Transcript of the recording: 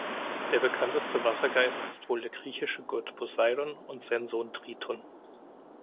Der bekannteste Wassergeist ist wohl der griechische Gott Poseidon und sein Sohn Triton.